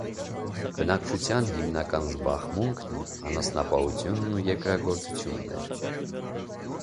Բնակչության հիմնական զբաղմունքն անասնապահությունն ու երկրագործությունն էր։